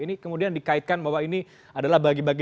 ini kemudian dikaitkan bahwa ini adalah bagi bagi